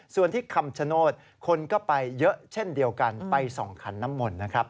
ส่วนที่คำชโนธคนก็ไปเยอะเช่นเดียวกันไปส่องขันน้ำมนต์นะครับ